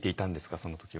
その時は。